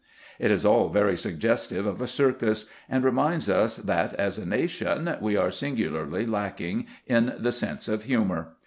It is all very suggestive of a circus, and reminds us that, as a nation, we are singularly lacking in the sense of humour.